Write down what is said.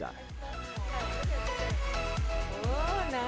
seperti ini sayang